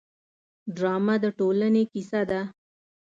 ډرامه د ټولنې کیسه ده